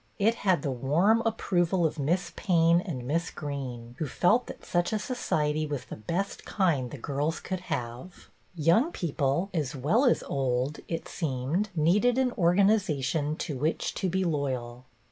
It had the warm approval of Miss Payne and Miss Greene, who felt that such a society was the best kind the girls could have; young people as well as old, it 250 BETTY BAIRD seemed, needed an organization to which to be loyal.